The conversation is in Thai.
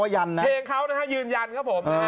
ยืนยันเฉยเพลงเขายืนยันครับผม